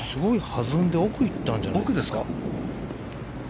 弾んで奥に行ったんじゃないですか。